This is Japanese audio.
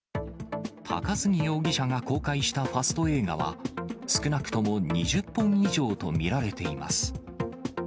高杉容疑者が公開したファスト映画は、少なくとも２０本以上と見られています。